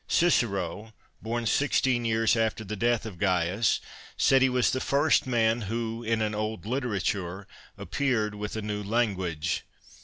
Cicero, bom six teen years after the death of Caius, said he " was the first man who, hi an old literature, appeared with a new language.